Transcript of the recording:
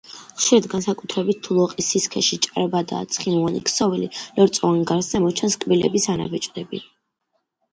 ხშირად, განსაკუთრებით თუ ლოყის სისქეში ჭარბადაა ცხიმოვანი ქსოვილი, ლორწოვან გარსზე მოჩანს კბილების ანაბეჭდები.